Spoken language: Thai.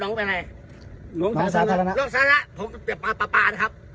น้องสาธารณะน้องสาธารณะผมจะเป็นปลาปลาปลานะครับ